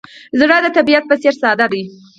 زړه د طبیعت په څېر ساده دی.